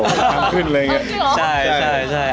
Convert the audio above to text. ห้ามขึ้นเลยเนี้ย